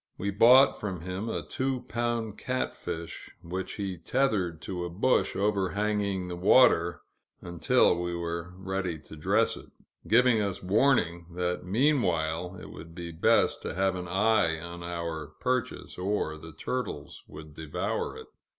We bought from him a two pound catfish, which he tethered to a bush overhanging the water, until we were ready to dress it; giving us warning, that meanwhile it would be best to have an eye on our purchase, or the turtles would devour it.